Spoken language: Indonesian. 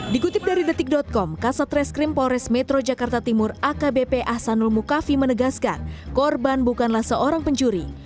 dikutip dari detik com kasat reskrim polres metro jakarta timur akbp ahsanul mukafi menegaskan korban bukanlah seorang pencuri